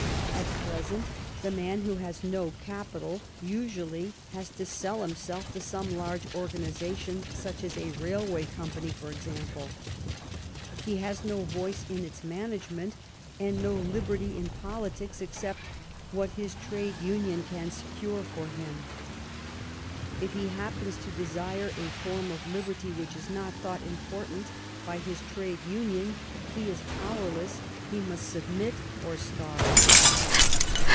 At present the man who has no capital usually has to sell himself to some large organization, such as a railway company, for example. He has no voice in its management, and no liberty in politics except what his trade union can secure for him. If he happens to desire a form of liberty which is not thought important by his trade union, he is powerless; he must submit or starve.